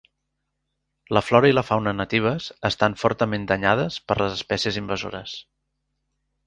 La flora i la fauna natives estan fortament danyades per les espècies invasores.